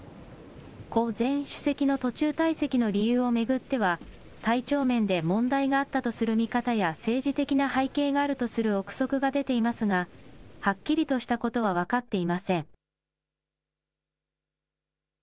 胡前主席の途中退席の理由を巡っては、体調面で問題があったとする見方や、政治的な背景があるとする臆測が出ていますが、はっきりとしたことは分かっていません。